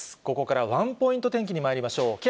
ここからワンポイント天気にまいりましょう。